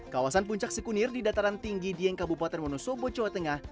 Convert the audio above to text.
kawasan puncak sikunir di dataran tinggi dieng kabupaten wonosobo jawa tengah